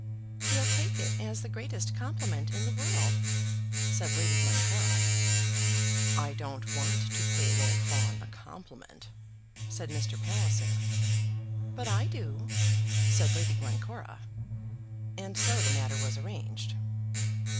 "He'll take it as the greatest compliment in the world," said Lady Glencora. "I don't want to pay Lord Fawn a compliment," said Mr. Palliser. "But I do," said Lady Glencora. And so the matter was arranged.